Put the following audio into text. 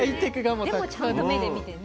でもちゃんと目で見てね。